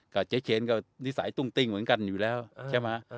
ครับก็เจ๊เชนก็นิสัยตุ้งติ้งเหมือนกันอยู่แล้วเออใช่ไหมเออ